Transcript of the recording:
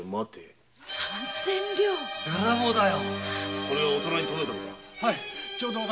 これはお店に届いたのか？